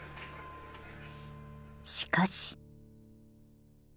しかし。